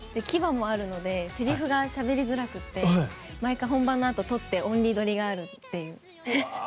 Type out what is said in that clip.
牙もあるのでセリフがしゃべりづらくて毎回本番のあとに取ってオンリーどりがあるという。